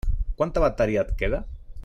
Quanta bateria et queda?